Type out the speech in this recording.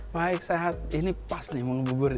baik sehat ini pas nih mengebuburit